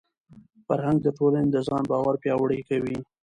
فرهنګ د ټولني د ځان باور پیاوړی کوي.